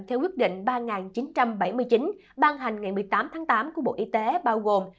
theo quyết định ba chín trăm bảy mươi chín ban hành ngày một mươi tám tháng tám của bộ y tế bao gồm